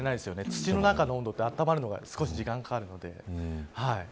土の中の温度はあったまるのに少し時間がかかるので。